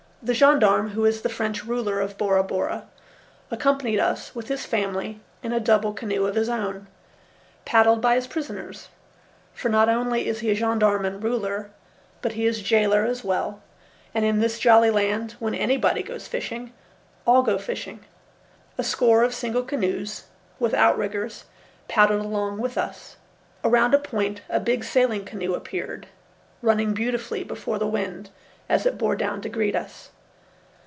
The gendarme, who is the French ruler of Bora Bora, accompanied us with his family in a double canoe of his own, paddled by his prisoners; for not only is he gendarme and ruler, but he is jailer as well, and in this jolly land when anybody goes fishing, all go fishing. A score of single canoes, with outriggers, paddled along with us. Around a point a big sailing canoe appeared, running beautifully before the wind as it bore down to greet us.